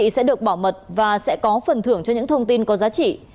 quý vị sẽ được bảo mật và sẽ có phần thưởng cho những thông tin có giá trị